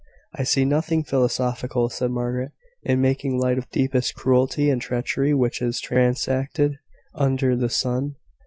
"I see nothing philosophical," said Margaret, "in making light of the deepest cruelty and treachery which is transacted under the sun.